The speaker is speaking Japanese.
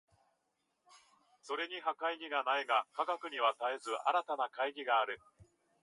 それには懐疑がないが、科学には絶えず新たな懐疑がある。